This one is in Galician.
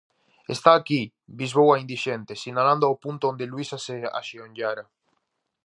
-Está aquí! -bisbou a "indixente", sinalando ao punto onde Luísa se axeonllara.